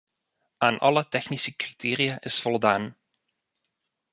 Aan alle technische criteria is voldaan.